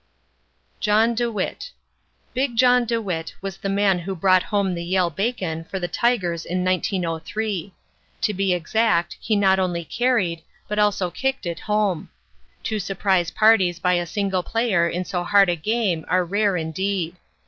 John DeWitt Big John DeWitt was the man who brought home the Yale bacon for the Tigers in 1903. To be exact he not only carried, but also kicked it home. Two surprise parties by a single player in so hard a game are rare indeed.